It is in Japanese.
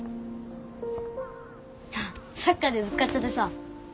あサッカーでぶつかっちゃってさ。